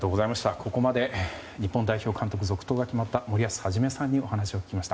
ここまで日本代表監督続投が決まった森保一さんにお話を聞きました。